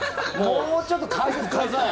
もうちょっと解説ください！